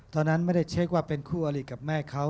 ตอนนั้นไม่ได้เช็คว่าเป็นคู่อลิกับแม่เขา